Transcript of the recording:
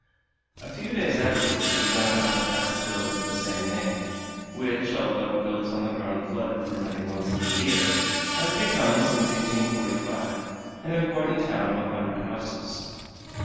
A few days afterward the jangada passed the village of the same name, which, although built on the ground flooded for many months in the year, has become, since 1845, an important town of a hundred houses.